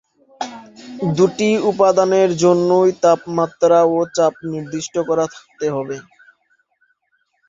দুটি উপাদানের জন্যই তাপমাত্রা ও চাপ নির্দিষ্ট করা থাকতে হবে।